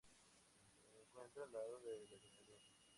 Se encuentra al lado del ayuntamiento.